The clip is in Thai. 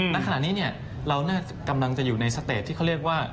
ณขณะนี้เรากำลังจะอยู่ในสเตจที่เขาเรียกว่า